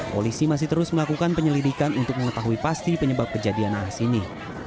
polisi masih terus melakukan penyelidikan untuk mengetahui pasti penyebab kejadian anas ini